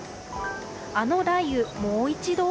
あの雷雨、もう一度？